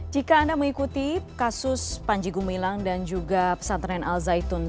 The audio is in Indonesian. jika anda mengikuti kasus panji gumilang dan juga pesantren al zaitun